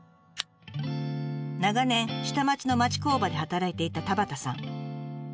長年下町の町工場で働いていた田端さん。